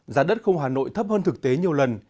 giá đất không hà nội thấp hơn thực tế nhiều lần